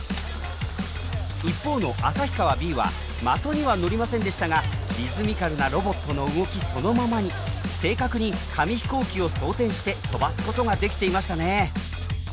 一方の旭川Ｂは的には乗りませんでしたがリズミカルなロボットの動きそのままに正確に紙飛行機を装填して飛ばすことができていましたね。